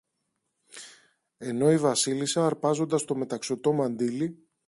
ενώ η Βασίλισσα αρπάζοντας το μεταξωτό μαντίλι